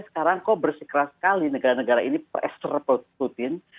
sekarang kok bersikeras sekali negara negara ini ekster putin